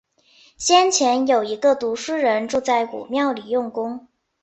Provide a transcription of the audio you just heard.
先前，有一个读书人住在古庙里用功